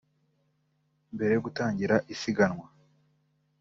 Mbere yo gutangira isiganwa